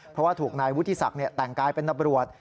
เพราะว่าถูกนายวุฒิศักดิ์แต่งกายเป็นตำรวจ